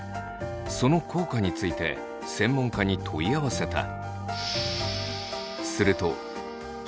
その効果について専門家に問い合わせた。